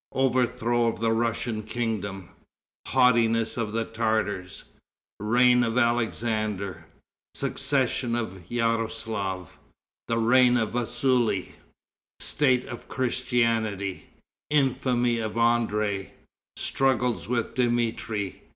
Overthrow of the Russian Kingdom. Haughtiness of the Tartars. Reign of Alexander. Succession of Yaroslaf. The Reign of Vassuli. State of Christianity. Infamy of André. Struggles with Dmitri.